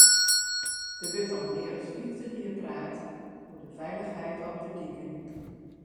Der wurdt al mear as fyftich jier praat oer de feilichheid op de diken.